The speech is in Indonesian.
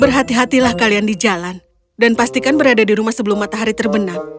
berhati hatilah kalian di jalan dan pastikan berada di rumah sebelum matahari terbenam